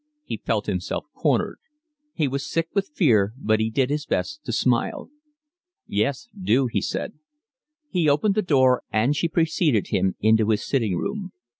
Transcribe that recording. He felt himself cornered. He was sick with fear, but he did his best to smile. "Yes, do," he said. He opened the door, and she preceded him into his sitting room.